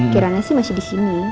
kiranya sih masih di sini